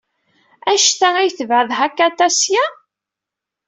Anect ay tebɛed Hakata seg-a?